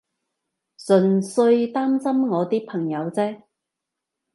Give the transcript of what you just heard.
純粹擔心我啲朋友啫